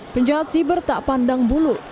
penjahat siber tak pandang bulu